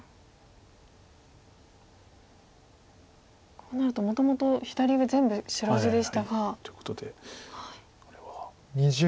こうなるともともと左上全部白地でしたが。ということでこれは。